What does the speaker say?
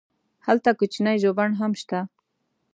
هلته کوچنی ژوبڼ هم شته.